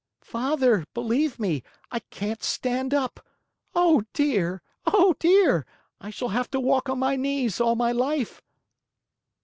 "Father, believe me, I can't stand up. Oh, dear! Oh, dear! I shall have to walk on my knees all my life."